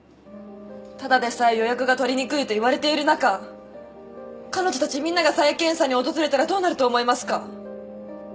ただでさえ予約が取りにくいといわれている中彼女たちみんなが再検査に訪れたらどうなると思いますか？